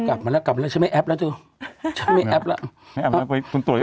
กลับมาแล้วกลับมาแล้วฉันไม่แอ๊บแล้วเธอฉันไม่แอ๊บแล้ว